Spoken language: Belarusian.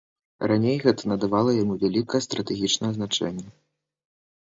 Раней гэта надавала яму вялікае стратэгічнае значэнне.